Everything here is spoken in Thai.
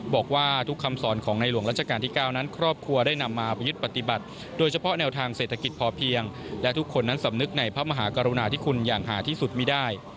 บอกว่าทุกคำสอนของในหลวงรัชกาลที่๙นั้นครอบครัวได้นำมาประยุทธ์ปฏิบัติโดยเฉพาะแนวทางเศรษฐกิจพอเพียงและทุกคนนั้นสำนึกในพระมหากรุณาที่คุณอย่างหาที่สุดไม่ได้